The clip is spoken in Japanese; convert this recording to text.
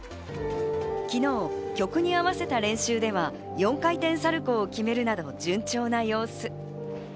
昨日、曲に合わせた練習では４回転サルコーを決めるなど順調な様子。